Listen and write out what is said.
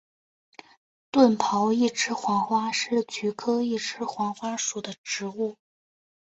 钝苞一枝黄花是菊科一枝黄花属的植物。